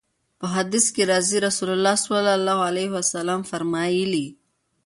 په حديث کي راځي: رسول الله صلی الله عليه وسلم فرمايلي: